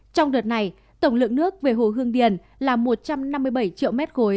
trong đợt này tổng lượng nước về hồ hương điền là một trăm năm mươi bảy triệu m ba